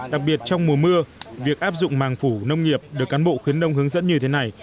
đặc biệt trong mùa mưa việc áp dụng màng phủ nông nghiệp được cán bộ khuyến đông hướng dẫn như thế này